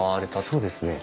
そうですね。